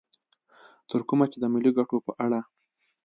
تر کومه چې د ملي ګټو په اړه